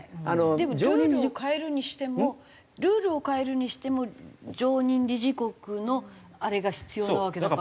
でもルールを変えるにしてもルールを変えるにしても常任理事国のあれが必要なわけだから。